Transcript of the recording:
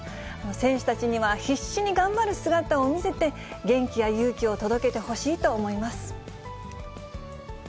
選手たちには必死に頑張る姿を見せて、元気や勇気を届けてほしいと思います。